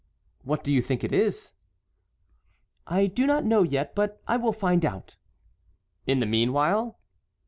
"What do you think it is?" "I do not know yet; but I will find out." "In the meanwhile?"